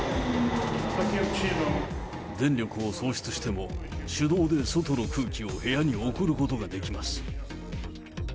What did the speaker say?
電力を喪失しても、手動で外の空気を部屋に送ることができます。